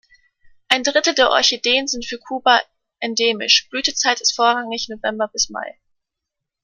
Ein Drittel der Orchideen sind für Kuba endemisch, Blütezeit ist vorrangig November bis Mai.